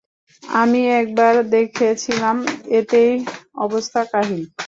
আমি একবার দেখেছিলাম, এতেই অবস্থা কাহিল।